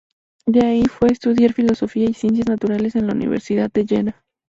De ahí fue a estudiar filosofía y ciencias naturales en la Universidad de Jena.